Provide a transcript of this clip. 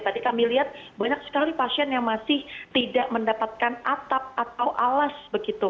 tadi kami lihat banyak sekali pasien yang masih tidak mendapatkan atap atau alas begitu